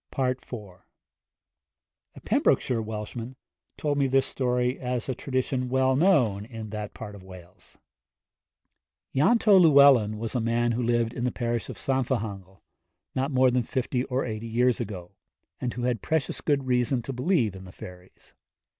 IV. A Pembrokeshire Welshman told me this story as a tradition well known in that part of Wales. Ianto Llewellyn was a man who lived in the parish of Llanfihangel, not more than fifty or eighty years ago, and who had precious good reason to believe in the fairies.